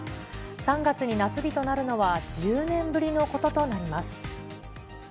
３月に夏日となるのは１０年ぶりのこととなります。